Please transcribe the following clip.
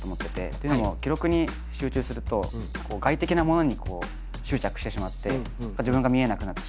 というのも記録に集中すると外的なものに執着してしまって自分が見えなくなってしまう。